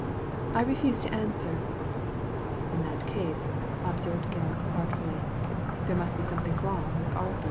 " I refuse to answer !" *In that case," observed Gebb, artfully, "there must be something wrong with Arthur."